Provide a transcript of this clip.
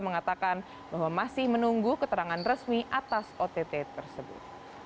mengatakan bahwa masih menunggu keterangan resmi atas ott tersebut